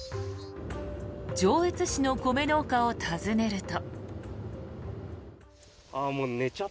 上越市の米農家を訪ねると。